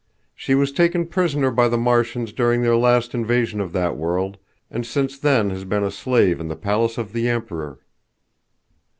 She was taken prisoner by the Martians during their last invasion of that world, and since then has been a slave in the palace of the Emperor."